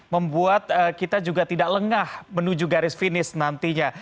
membuat kita juga tidak lengah menuju garis finish nantinya